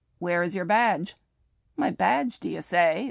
"Where is your badge ?"" My badge, do ye say